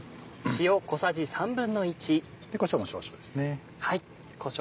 こしょうも少々です。